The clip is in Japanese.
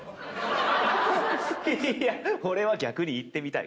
いーや俺は逆に行ってみたい。